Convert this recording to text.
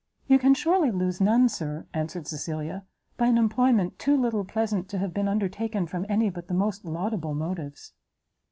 "You can surely lose none, Sir," answered Cecilia, "by an employment too little pleasant to have been undertaken from any but the most laudable motives."